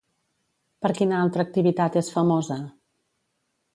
Per quina altra activitat és famosa?